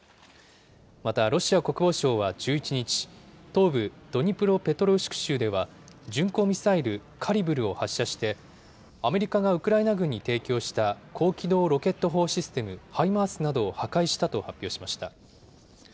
またロシア国防省は１１日、東部ドニプロペトロウシク州では巡航ミサイル、カリブルを発射して、アメリカがウクライナ軍に提供した高機動ロケット砲システム・ハイマースなどを破壊したと発表しました。